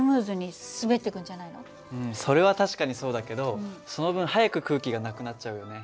うんそれは確かにそうだけどその分早く空気がなくなっちゃうよね。